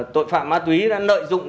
tội phạm ma túy đã nợi dụng